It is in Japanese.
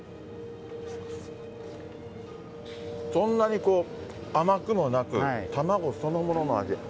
そんなにこう、甘くもなく、卵そのものの味。